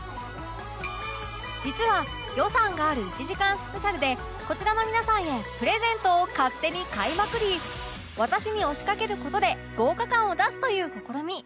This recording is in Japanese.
実は予算がある１時間スペシャルでこちらの皆さんへプレゼントを勝手に買いまくり渡しに押しかける事で豪華感を出すという試み